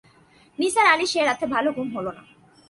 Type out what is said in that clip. নিসার আলির সে-রাতে ভালো ঘুম হল না।